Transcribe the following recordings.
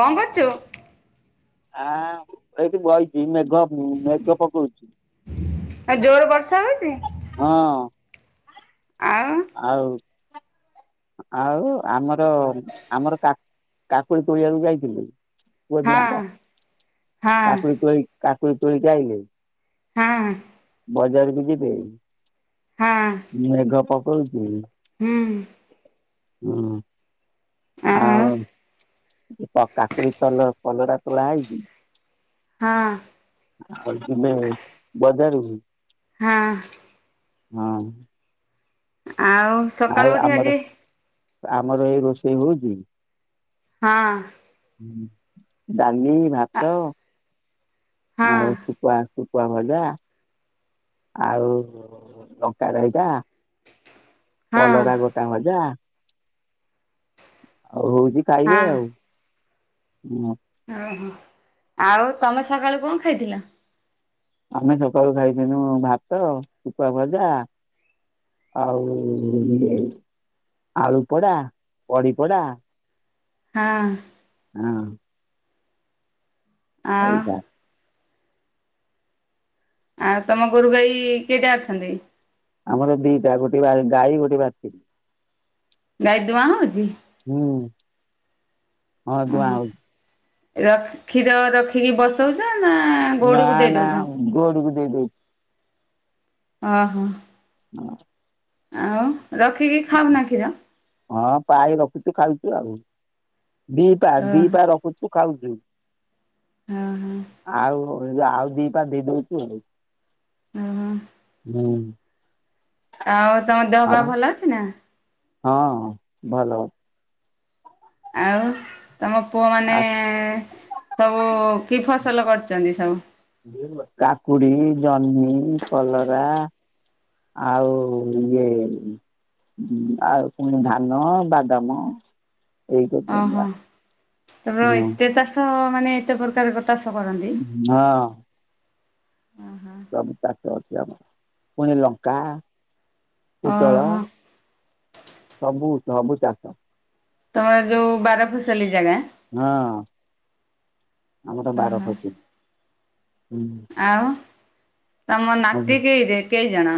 କଁ କରୁଚୁ? ଆଁ ଏଇଠି ବଇଚୀ ମେଘ ମେଘ ପକଉଚି ଆଉ ଜୋର ବର୍ଷା ହଉଛି? ହଁ। ଆଉ ଆଉ। ଆଉ ଆମର ଆମର କା କାକୁଡି ତୋଳିଆକୁ ଯାଇଥିଲି। ପୁଅ ଦିହାଙ୍କ ହଁ ହଁ କାକୁଡି ତୋଳି କାକୁଡି ତୋଳିକି ଆଇଲେ। ହଁ। ବଜାରକୁ ଯିବେ। ହଁ। ମେଘ ପକଉଚି। ହୁଁ। ହୁଁ ଆଉ ତ କାକୁଡି ଚାଲ କଲରା ତୋଳା ହେଇଚି। ହଁ। [unintelligible] ବଜାକୁ। ହଁ। ହଁ। ଆଉ ଆଉ ସକାଳୁ ଉଠି ଆମର ଆଜି ଆମର ଏଇ ରୋଷେଇ ହେଇଛି। ହଁ। ଡାଲି ଭାତ ହଁ ଆଉ ପିତା ଶୁଖୁଆ ଭଜା। ଆଉ ଲଙ୍କା ରାଇତା। ହଁ କଲରା ଗୋଟା ଭଜା ଆଉ ହଉଛି ଖାଇବେ ହଁ ଆଉ ହୁଁ। ଓହୋ ଆଉ ତମେ ସକାଳୁ କ ଖାଇଥିଲ? ଆମେ ସକାଳୁ ଖାଇଥିଲୁ ଭାତ ସୁଖୁଆଁ ଭଜା ଆଉ ଆଳୁ ପଡା ପଡି ପଡା ହାଁ। ହୁଁ। ଆଉ ଏଇଟା ଆଉ ତମ ଗୋରୁ ଗାଈ କିଏଟା ଅଛନ୍ତି? ଆମର ଦିଟା ଗୋଟେ ଗାଈ ଗୋଟେ ବାଛୁରି। ଗାଈ ଦୁଆଁ ହଉଛି? ହୁଁ ହଁ ଦୁଆଁ ହଉଛି। ର କ୍ଷୀର ରଖିକି ବସଉଛ ନା ଗଉଡକୁ ଦେଇ ଦଉଛ? ଗଉଡ଼ କୁ ଦେଇଦଉଛି। ଅହ। ହଁ। ଆଉ ରଖିକି ଖାଉ ନା କ୍ଷୀର? ହଁ ପାଏ ରଖୁଛୁ ଖାଉଛୁ ଆଉ ଦିପା ଓହୋ ଦିପା ରଖୁଛୁ। ତୁ ଖାଉଛୁ। ହଁ ହଁ। ଆଉ ଆଉ ଦିପା ଦେଇ ଦଉଛୁ ଆଉ। ଉ ହୁଁ। ହୁଁ। ଆଉ ତମ ଦେହ ପା ଆଉ ଭଲ ଅଛି ନା? ହଁ ଭଲ ଅଛି। ଆଉ ତମ ପୁଅ ଆଉ ମାନେ ସବୁ କି ଫସଲ କରୁଛନ୍ତି ସବୁ? କାକୁଡି ଜହ୍ନି କଲରା ଆଉ ଇଏ ଆଉ ପୁଣି ଧାନ ବାଦାମ ଏଇ [unintelligible] ର ହଁ ଏତେ ଚାଷ ମାନେ ଏତେ ପ୍ରକାର ତାଷ କରନ୍ତି। ହଁ। ସବୁ ଚାଷ ଅଛି ଆମର। ପୁଣି ଲଙ୍କା ପୁଟଳ ଓହୋ ସବୁ ସବୁ ଚାଷ। ତମର ଯୋଉ ବାର ଫସଲି ଜାଗା? ହଁ ଆମର ତ ବାର ଓହୋ ଫସି ହୁଁ। ଆଉ ତମ ନାତି କେଇ କେଇ ଜଣ?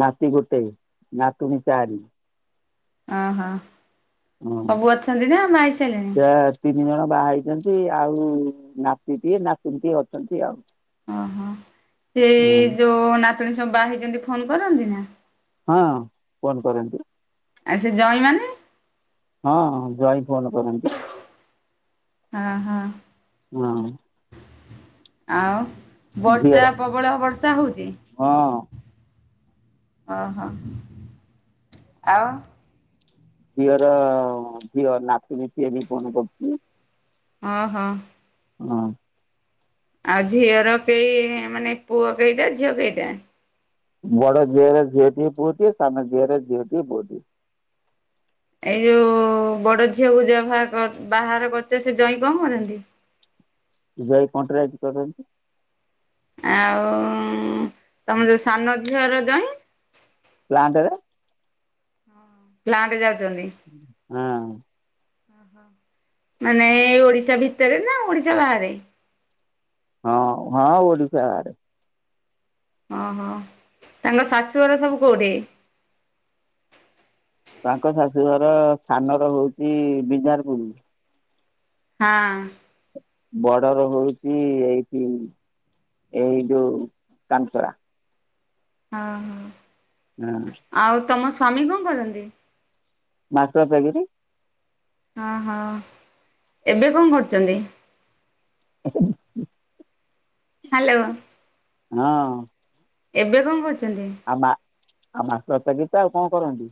ନାତି ଗୋଟେ ନାତୁଣୀ ଚାରି। ଅହଁ। ହେଇସାରିଲେଣି? ହଁ। ତିନି ଜଣ ବାହା ହେଇଚନ୍ତି ଆଉ ନାତିଟିଏ ନାତୁଣୀଟିଏ ଅଛନ୍ତି ଆଉ। ଓହୋ ହଁ ସେଇ ଯୋଉ ନାତୁଣୀ ସବୁ ବାହା ହେଇଚନ୍ତି ଫୋନ କରନ୍ତି ନା? ହଁ ଫୋନ୍ କରନ୍ତିୁ। ଆଉ ସେ ଜଇଁ ମାନେ? ହଁ ଜଇଁ ଫୋନ କରନ୍ତି। ଅଁ ହଁ। ହଁ। ଆଉ ବର୍ଷା ଝିଅର ପ୍ରବଳ ବର୍ଷା ହଉଚି। ହଁ। ଓହୋ ଆଉ ଝିଅର ଝିଅ ନାତୁଣୀ ସିଏ ବି ଫୋନ କରୁଚି। ଓ ହୋ। ହଁ। ଆଉ ଝିଅର କେଇ ମାନେ ପୁଅ କେଇଟା ଝିଅ କେଇଟା? ବଡ ଝିଅରେ ଝିଅଟିଏ ପୁଅ ଟିଏ ସାନ ଝିଅର ଝିଅଟିଏ ପୁଅଟିଏ। ଏଇ ଯୋଉ ବଡ ଝିଅକୁ ଯ ବାହା ବାହାର କରିଚ ସେ ଜଇଁ କଣ କରନ୍ତି? [unintelligible] କନଟ୍ରାକଟି କରନ୍ତି। ଆଉ ତମ ଯୋଉ ସାନ ଝିଅର ଜାଇଁ? ପ୍ଲାଣ୍ଟ ରେ। ପ୍ଲାଣ୍ଟେ ଯାଉଚନ୍ତି? ହଁ। ଓ ହୋ ମାନେ ଓଡିଶା ଭିତରେ ନା ଓଡିଶା ବାହାରେ? ହଁ ହଁ ଓଡିଶାରେ। ଓହୋ ତାଙ୍କ ଶାଶୁଘର ସବୁ କୋଉଠି? ତାଙ୍କ ଶାଶୁଘର ସାନର ହଉଚି ବିଜାରପୁର। ହଁ। ବଡର ହଉଚି ଏଇଠି ଏଇ ଯୋଉ କାନସରା। ହଁ ହଁ। ହୁଁ। ଆଉ ତମ ସ୍ଵାମୀ କଣ କରନ୍ତି? ମାଷ୍ଟର ଚାକିରୀ। ହ ହୋ ଏବେ କଣ କରୁଚନ୍ତି? ହାଲୋ। ହଁ। ଏବେ କଣ କରୁଚନ୍ତି। ଆମା ଆମା ପ୍ରତ ଗୀତ ଆଉ କଣ କରନ୍ତି?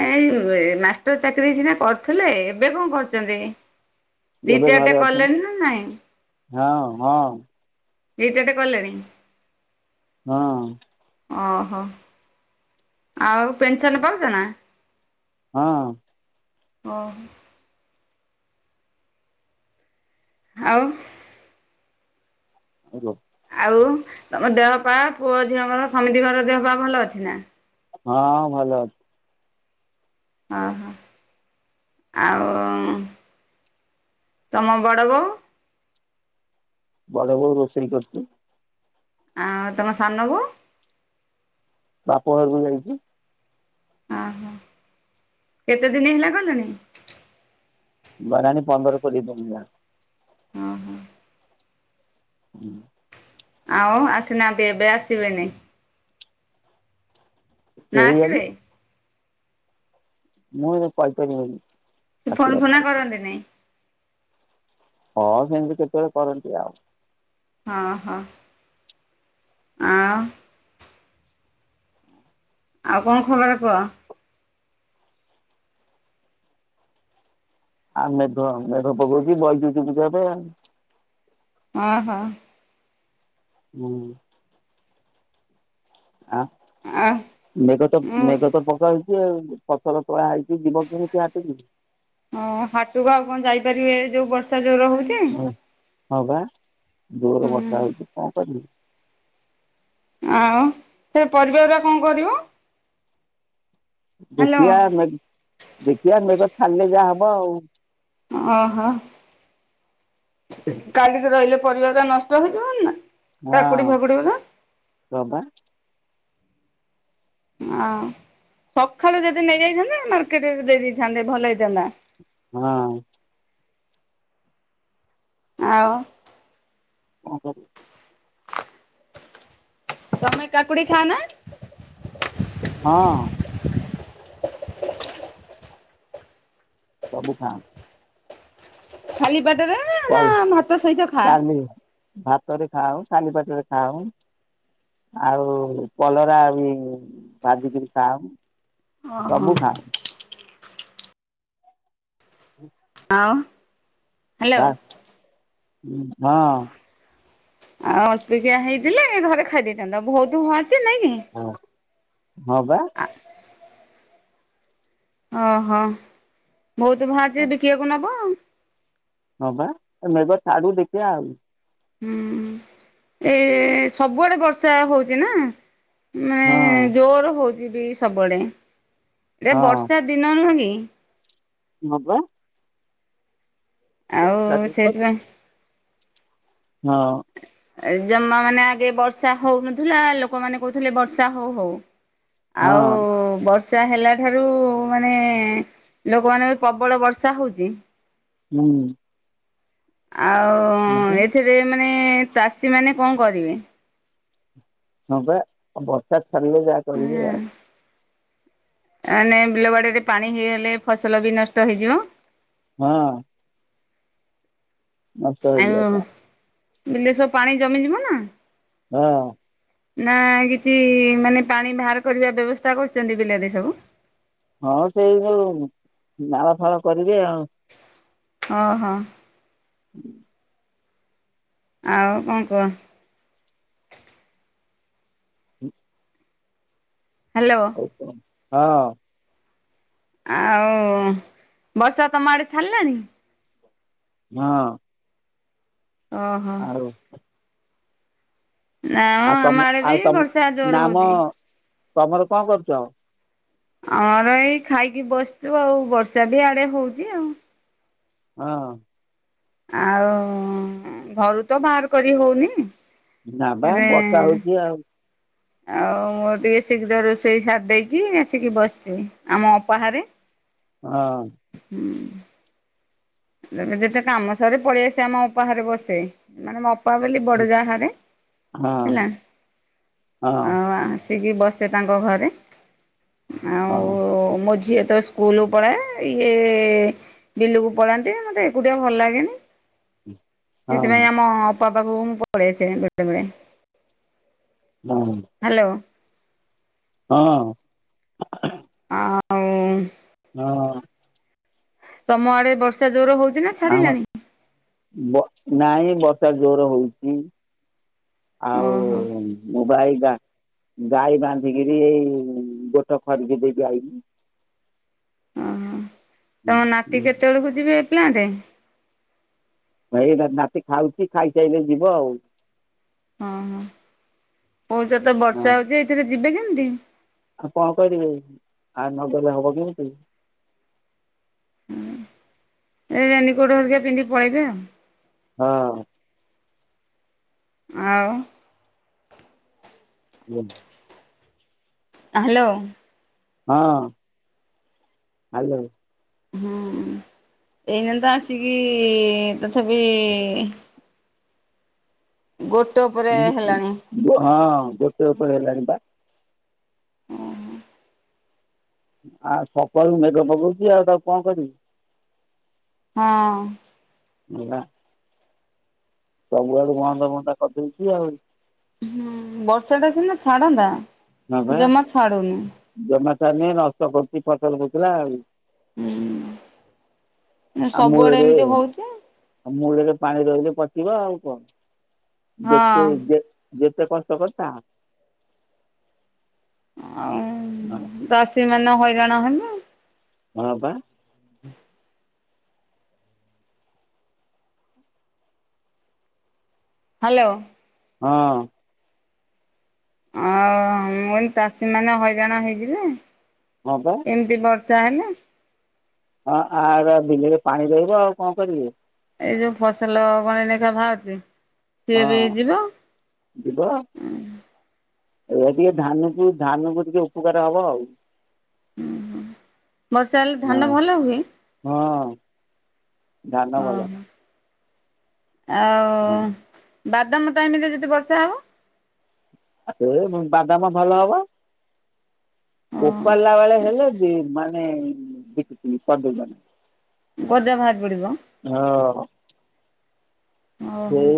ଏଇ ଏ ମାଷ୍ଟର ଚାକିରୀ ସିନା କରୁଥିଲେ ଏବେ କଣ କରୁଚନ୍ତି? ଏବେ ରିଟାୟାର୍ଡଟା ଘରେ ଅଛନ୍ତି କଲେଣି ନା ନାଇଁ? ହଁ ହଁ। ରିଟାୟାର୍ଡ କଲେଣି? ହଁ। ଓହୋଃ ଆଉ ପେନସନ୍ ପାଉଛ ନା? ହଁ। ଓହୋଃ‌। ଆଉ ହ୍ୟାଲୋ। ଆଉ ତମ ଦେହପା ପୁଅ ଝିଅଙ୍କର ସମିତିଙ୍କର ଦେହପାା ଭଲ ଅଛି ନା? ହଁ-ଅ-ଅ ଭଲ ଅଛି। ଓହୋଃ, ଆଉ-ଉ-ଉ ଉଁ ତମ ବଡ଼ ବୋହୂ? ବଡ ବୋହୂ ରୋଷେଇ କରୁଛି। ଆଁ-ଆଁ ତମ ସାନ ବୋହୂ? ବାପ ଘରକୁ ଯାଇଛି। ଓହୋଃ, କେତେ ଦିନ ହେଲା ଗଲେଣି? ଗଲାଣି ପନ୍ଦର କୋଡ଼ିଏ ଦିନ ହେଲାଣି। ଅଁ ହଁ। ହୁଁ। ଆଉ ଆସିନାହାନ୍ତି ଏବେ ଆସିବେନି? ନା କେହିଆଣି ଆସିବେ? ମୁଁ ଏବେ କହି ପାରିବିନି। ସେ ଫୋନ୍ ଫୁନା କରନ୍ତିନି? ହଁ ସେମିତି କେତେବେଳେ କରନ୍ତି ଆଉ। ହଁ ହଁ। ଆଉ ଆଉ କଣ ଖବର କୁହ? ଆଉ ମେଘ, ମେଘ ପକଉଛି ବଇଛୁ ଚୁପଚାପ ଆଉ। ଓହୋଃ। ହୁଁ। ଆ ଆ ମେଘ ତ ମୁଁ ମେଘ ପକ୍ ପକଉଛି ଆଉ, ଫସଲ ତୋଳା ହେଇଛି ଯିବ କେମିତି ହାଟକୁ? ଓ-ଓ-ଓ ହାଟକୁ ଆଉ କଣ ଯାଇପାରିବେ ଏ ଯୋଉ ବର୍ଷା ଯୋରରେ ହଉ ହୁଁ, ହଁ ପା ଜୋରରେ ହୁଁ ବର୍ଷା ହଉଛି କଣ କରିବି? ଆଉ ସେ ପରିବାଗୁରା କଣ କରିବ? ହ୍ୟାଲୋ ଦେଖିଆ ମେଘ୍ ଦେଖିଆ ମେଘ ଛାଡିଲେ ଯାହା ହବ ଆଉ। ଓହୋଃ। କାଲିକି ରହିଲେ ପରିବାଗୁରା ନଷ୍ଟ ହେଇଯିବନି ନା? କାକୁଡି ହଁ-ଅ ଫାକୁଡି ଗୁରା ହଁ ବା। ହଁ, ସକାଳୁ ଯଦି ନେଇଯାଇଥାନ୍ତେ ମାର୍କେଟରେ ଦେଇ ଦେଇଥାନ୍ତେ ଭଲ ହେଇଥାନ୍ତା। ହଁ। ଆଉ କଣ କରିବି? ତମେ କାକୁଡି ଖାଅ ନା? ହଁ। ସବୁ ଖା। ଖାଲିପେଟରେ ନା ଭାତ ସହିତ ଖା? ଭାତରେ ଖାଉ ଖାଲି ପେଟରେ ଖାଉ। ଆଉ କଲରା ବି ଭାଜିକିରି ଖାଉ। ଓହୋ। ସବୁ ଖାଉ ହୁଁ। [unintelligible] ହ୍ୟାଲୋ। [unintelligible] ହଁ। ଆଉ ଅଳ୍ପିକିଆ ହେଇଥିଲେ ଘରେ ଖାଇ ଦେଇେଥାନ୍ତ ବହୁତୁ [unintelligible] ଅଛି ନାଇଁ କି। ହଁ ହଁ ବା। ଅଁ ହଁ ବହୁତୁ ବାହାରିଚି ବିକିଆକୁ ନବ ହଁ ବା ମେଘ ଛାଡୁ ଦେଖିଆ ଆଉ। ହୁଁ ଏ ସବୁଆଡେ ବର୍ଷା ହଉଚି ନା। ମାନେ ହଁ। ଜୋର ହଉଚି ବି ସବୁବେଳେ [unintelligible] ହଁ ବର୍ଷା ଦିନ ନୁହେଁ କି। ହଁ ବା। ଆଉ ବର୍ଷା ଦିନ। ସେଇଥିପାଇଁ ହଁ। ଜମା ମାନେ ଆଗେ ବର୍ଷା ହଉନଥିଲା ଲୋକମାନେ କହୁଥିଲେ ବର୍ଷା ହଉ-ହଉ। ଆଉ ହଁ ବର୍ଷ ବର୍ଷା ହେଲାଠାରୁ ମାନେ ଲୋକମାନଙ୍କ ପ୍ରବଳ ବର୍ଷା ହଉଚି। ହୁଁ। ଆଉ ହଁ ଏଥିରେ ମାନେ ତାଷୀ ମାନେ କଣ କରିବେ। ହଁ ବା ବର୍ଷା ଛାିଡିଲେ ଯାହା କରିବି ଆଉ। ମାନେ ବିଲ ବାଡରେ ପାଣି ହେଇଗଲେ ଫସଲ ବି ନଷ୍ଟ ହେଇଯିବ। ହଁ। ନଷ୍ଟ ହେଇଯିବ ଆଉ ପା ବିଲେଶ ପାଣି ଜମି ଯିବ ନା ହଁ। ନା କିଛି ମାନେ ପାଣି ବାହାର କରିବା ବ୍ୟବସ୍ଥା କରୁଚନ୍ତି ବିଲରେ ସବୁ? ହଁ ସେଇ ଯୋଉ ନାଳ ଫାଳ କରିବେ ଆଉ। ହଁ-ହଁ। ହୁଁ। ଆଉ କଣ କୁହ? [unintelligible] ହାଲୋ। ହଉ ହଁ। ଆଉ ବର୍ଷା ତମ ଆଡେ ଛାଡିଲାଣି? ହଁ। ଅ ହଁ। ଆଉ ନା ଆଉ ଆମ ତମ ଆଡେ ବି ଆଉ ତମ ବର୍ଷା ଜୋର ନାମ ହଉଛି। ତମର କଣ କରୁଚ? ଆର ଏଇ ଖାଇକି ବସିଚୁ ଆଉ, ବର୍ଷା ବି ଆଡେ ହଉଚି ଆଉ। ହଁ। ଆଉ ଘରୁ ତ ବାହାର କରି ହଉନି ନା ବା ବର୍ଷା ହଉଛି ଆଉ [unintelligible] ଆଉ ମୁଁ ଟିକିଏ ଶୀଘ୍ର ରୋଷେଇ ସାରି ଦେଇକି ଆସିକି ବସିଚି ଆମ ଅପା ଘରେ। ହଁ। ହୁଁ। ଯେବେ ଯେତେ କାମ ସରେ ପଳେଇ ଆସେ ଆମ ଅପା ଘରେ ବସେ। ମାନେ ମୋ ପା ବୋଲି ହଁ ବଡ ଯାଆ ଘରେ ହଁ ହେଲା। ହଁ ଅ ଆ ଯିଏ ବସେ ତାଙ୍କ ଘରେ। ଆ ହଁ। ଓ ମୋ ଝିଅ ତ ସ୍କୁଲକୁ ପଳାଏ। ଇଏ ବିଲକୁ ପଳାନ୍ତି ମତେ ଏକୁଟିଆ ଭଲ ଲାଗେନି। ସେଥିପାଇଁ ହଁ ଆମ ପା ପାଖକୁ ମୁଁ ପଳେଇଆସେ ବେଳେ ବେଳେ। ହୁଁ। ହାଲୋ। ହଁ। ହଁ। ଏ ନା ନା। ତମ ଆଡେ ବର୍ଷା ଜୋର ହଉଚି? ନା ବା। ବ ନାଇଁ ବର୍ଷା ଜୋର ହଉଚି। ଓହୋ ଆଉ ମୋବାଇଲ ଟା ଗାଈ ବାନ୍ଧିକିରି ଏଇ ଗୋଠ ଖରିିକି ଦେଇକି ଆଇଲି। ଓହୋ ତମ ନାତି କେତେବେେଳକୁ ଯିବେ ପ୍ଲାଣ୍ଟେ? ଏଇ ନାତି ଖାଉଚି। ଖାଇସଲେ ଯିବ ଆଉ। ଅ ହୋ। ପୋର୍ଟ ରେ ତ ହଁ ବର୍ଷା ହଉଚି, ଏଇଥିରେ ଯିବେ କେମତି? ଆଉ କଣ କରିବେ? ଆଉ ନଗଲେ ହବ କେମିତି? ଏଇ ରେନୀ କୋଟ ହରିକା ପିନ୍ଧିକି ପଳେଇବେ ଆଉ। ହଁ। ଆଉ? ହଲୋ। ହାଲୋ। ହଁ ହାଲୋ। ହୁଁ ଏଇନେ ତ ଆସିକି ତଥାପି ଗୋଟେ ଉପରେ ହେଲାଣି। ହଁ ଗୋଟେ ଉପରେ ହେଲାଣି ପା? ଆଉ ସକାଳୁ ମେଘ ପକଉଚି ଆଉ ତାକୁ କଣ କରିବି? ହଁ। ମେଘା ସବୁଆଡୁ ବନ୍ଦ ବୁନ୍ଦା କରିଦେଇଚି ଆଉ। ହୁଁ ବର୍ଷା ଟା ସିିନା ଛାଡନ୍ତା ହଁ ବା ଜମା ଛାଡୁନି। ଜମା ଛାଡ଼ୁନି। ନଷ୍ଟ କରୁଚି ଫସଲ ଫୁସୁଲା ଆଉ। ହୁଁ। ଆ ସବୁଆଡେ ଏମିତି ହଉଚି। ଅ ମୂଳରେ ପାଣି ରହିଲେ ପଚିବ ଆଉ କଣ? ହଁ ଯେତେ ଯେ ଯେତେ କଷ୍ଟ କରିଥା ଆଉ ହଁ। ଚାଷୀ ମାନେ ହଇରାଣ ହେଲେ। ହଁ, ପା ହାଲୋ ହଁ, ଅଁ। ଆଉ ମୁଁ କହିଲି ଚାଷୀ ମାନେ ହଇରାଣ ହେଇଯିବେ। ହଁ, ପା ଏମିତି ବର୍ଷା ହେଲେ। ହଁ, ଆର ବିଲିରେ ପାଣି ରହିବ ଆଉ କଣ କରିବେ। ଏଇ ଯୋଉ ଫସଲ ବହେ ଲେଖା ବାହାରୁଚି। ହଁ, ଯିବ। ଏ ଟିକେ ଧାନକୁ ଧାନକୁ ଟିକେ ଉପକାର ହବ ଆଉ। ବର୍ଷା ହେଲେ ହଁ, ଧାନ ଭଲ ହୁଏ ହଁ ଧାନ ଭଲ। ଓହୋ ହଁ ଆଉ ବାଦାମ ଟାଇମ୍ ରେ ଯଦି ବର୍ଷା ହବ। ସେତେବେଳେ ବାଦାମ ଭଲ ହବ ଉପାରିଲା ବେଳେ ହେଲେ। ସେ ମାନେ ବକି କରିଦେଉଛନ୍ତି। ଗଜା ବାହାରି ପଡିବ। କଉ ଓହୋ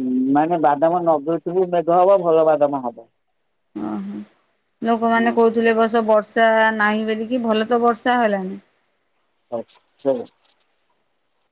ହଁ ମାନେ ବାଦାମ ନଗେଇଥିବୁ ମେଘ ହବ ଭଲ ବାଦାମ ହବ। ଅ ହଃ ହୁଁ ଲୋକମାନେ କହୁଥିଲେ ଏବର୍ଷ ବର୍ଷା ବର୍ଷା ନାହିଁ ବୋଲିକି ଭଲ ତ ବର୍ଷା ହେଲାଣିି। ଅଛି କି ଚେ [unintelligible]